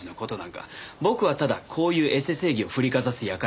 僕はただこういうエセ正義を振りかざす輩が嫌いなだけです。